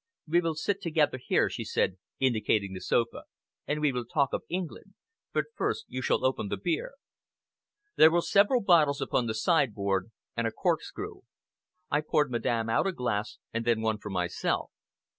"We will sit together here," she said, indicating the sofa, "and we will talk of England. But first you shall open the beer." There were several bottles upon the sideboard, and a corkscrew. I poured Madame out a glass and then one for myself.